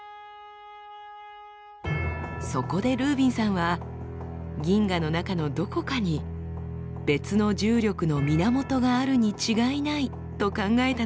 そこでルービンさんは銀河の中のどこかに別の重力の源があるに違いないと考えたのです。